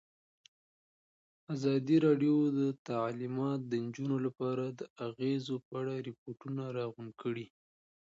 ازادي راډیو د تعلیمات د نجونو لپاره د اغېزو په اړه ریپوټونه راغونډ کړي.